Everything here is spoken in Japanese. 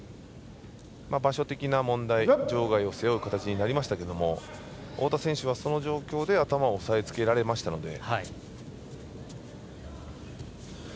場所的な問題場外を背負う状態になりましたが太田選手はその状況で頭を押さえつけられたので。